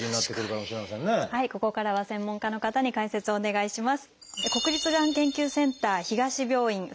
ここからは専門家の方に解説をお願いします。